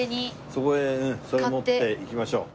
そこへうんそれ持って行きましょう。